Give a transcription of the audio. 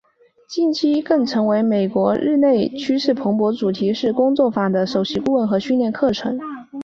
近期更成为美国国内日趋蓬勃的主题式工作坊的首席顾问和训练课程。